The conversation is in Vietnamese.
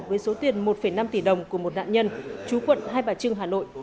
với số tiền một năm tỷ đồng của một nạn nhân chú quận hai bà trưng hà nội